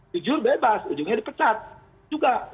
jujur bebas ujungnya dipecat juga